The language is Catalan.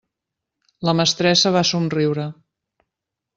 La mestressa va somriure.